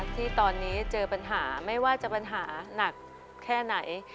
ที่ตอนนี้เจอปัญหาไม่ว่าจะปัญหาหนักแค่ไหน